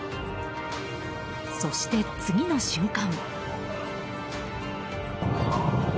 そして、次の瞬間。